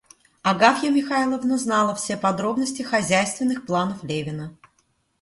Агафья Михайловна знала все подробности хозяйственных планов Левина.